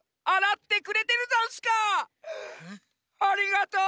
ありがとう！